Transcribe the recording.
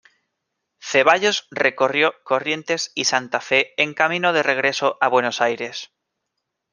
Cevallos recorrió Corrientes y Santa Fe en camino de regreso a Buenos Aires.